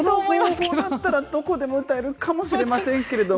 そうなったらどこでも歌えると思いますけど。